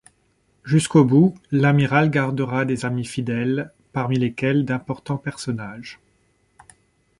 Jusqu'au bout, l'Amiral gardera des amis fidèles, parmi lesquels d'importants personnages.